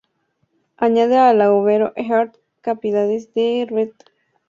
Añade a la Overo Earth capacidades de red inalámbrica y Bluetooth.